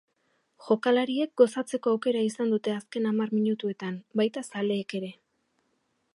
Jokalariek gozatzeko aukera izan dute azken hamar minutuetan, baita zaleek ere.